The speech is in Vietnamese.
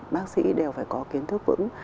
bác sĩ đều phải có kiến thức vững